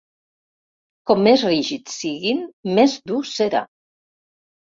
Com més rígids siguin, més dur serà.